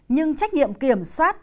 nhưng trách nhiệm kiểm soát